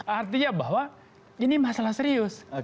artinya bahwa ini masalah serius